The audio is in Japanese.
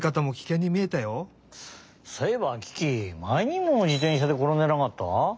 そういえばキキまえにも自転車でころんでなかった？